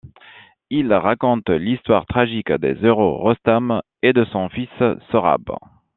Il raconte l'histoire tragique des héros Rostam et de son fils Sohrâb.